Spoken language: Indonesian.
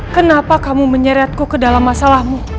kenapa kamu menyeretku ke dalam masalahmu